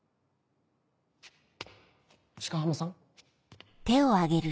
鹿浜さん？